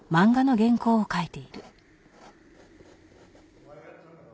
お前がやったんだろ？